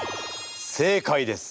正解です。